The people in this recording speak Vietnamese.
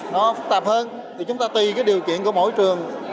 nó phức tạp hơn thì chúng ta tùy cái điều kiện của mỗi trường